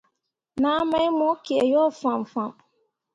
Naa mai mo kǝǝ yo fãmfãm.